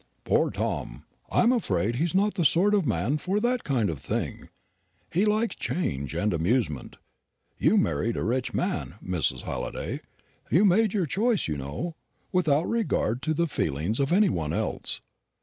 "Poor Tom! I'm afraid he's not the sort of man for that kind of thing. He likes change and amusement. You married a rich man, Mrs. Halliday; you made your choice, you know, without regard to the feelings of any one else.